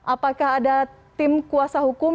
apakah ada tim kuasa hukum